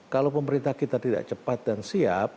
kalau pemerintah kita tidak cepat dan siap